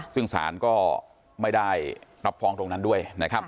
ซึ่งศาลก็ไม่ได้รับฟ้องตรงนั้นด้วยนะครับ